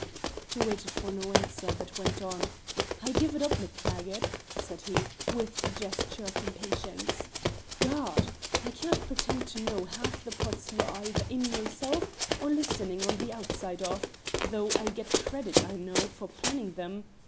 He waited for no answer, but went on. "I give it up, MacTaggart," said he, with a gesture of impatience. "Gad! I cannot pretend to know half the plots you are either in yourself or listening on the outside of, though I get credit, I know, for planning them.